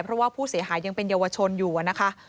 เพราะว่าผู้เสียหายยังเป็นเยาวชนอยู่นะคะ